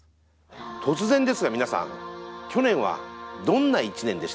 突然ですが皆さん去年はどんな１年でしたか？